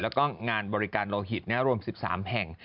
แล้วก็งานบริการโลหิตรวม๑๓แห่ง